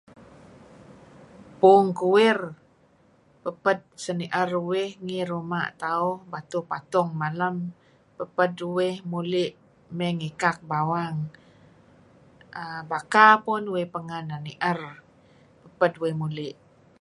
mo kuwir papad sa'niar uih ngi rumah tauh Batuh Patung malam, papad uih mulih may ngikak bawang[aah] baka pun uih pangah nah niar, papad uih mulih.